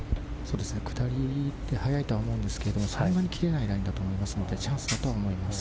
下りで早いとは思いますがそんなに切れないラインだと思いますのでチャンスだと思います。